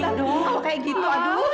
aduh kalau kayak gitu aduh